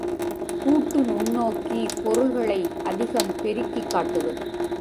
கூட்டு நுண்ணோக்கி பொருள்களை அதிகம் பெருக்கிக் காட்டுவது.